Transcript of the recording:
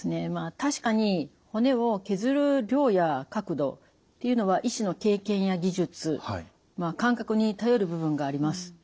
確かに骨を削る量や角度っていうのは医師の経験や技術感覚に頼る部分があります。